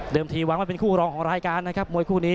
ทีหวังว่าเป็นคู่รองของรายการนะครับมวยคู่นี้